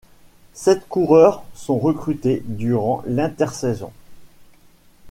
Sept coureurs sont recrutés durant l'intersaison.